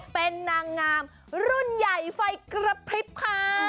เป็นนางงามรุ่นใหญ่ไฟกระพริบค่ะ